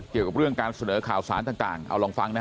เกี่ยวกับเรื่องการเสนอข่าวสารต่างเอาลองฟังนะฮะ